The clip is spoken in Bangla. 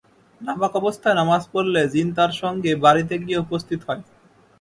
নাপাক অবস্থায় নামাজ পড়লে জিন তার সঙ্গে বাড়িতে গিয়ে উপস্থিত হয়।